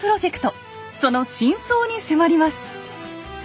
その真相に迫ります。